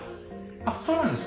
あそうなんですか。